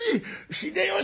「秀吉！